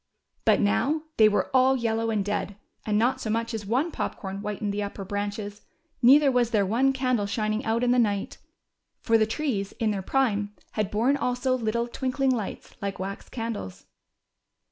But now they were all yellow and dead, and not so much as one pop corn whitened the upper branches, neither was there one THE SILVER HEN. 261 candle shining out in the night. For the trees in their prime had borne also little twinkling lights like wax candles.